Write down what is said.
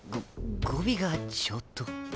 語尾がちょっと。